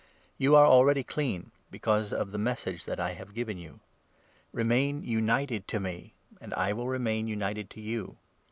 You are already clean because of the 3 Message that I have given you. Remain united to me, and I will 4 remain united to you.